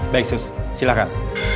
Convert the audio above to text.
baik sus silakan